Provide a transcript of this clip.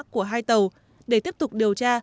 của hai tàu để tiếp tục điều tra